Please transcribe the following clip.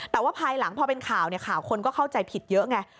แต่ว่าภายหลังพอเป็นข่าวเนี่ยข่าวคนก็เข้าใจผิดเยอะไง